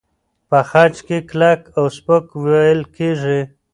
په خج کې کلک او سپک وېل کېږي.